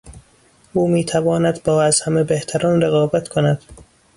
او میتواند با از همه بهتران رقابت کند.